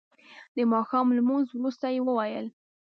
د ماښام لمونځ وروسته یې وویل.